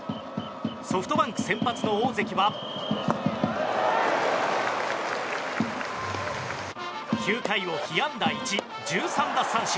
ソフトバンク先発の大関は９回を被安打１、１３奪三振。